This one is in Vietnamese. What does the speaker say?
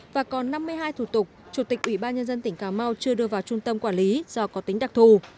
và còn năm mươi hai thủ tục chủ tịch ủy ban nhân dân tỉnh cà mau chưa đưa vào trung tâm quản lý do có tính đặc thù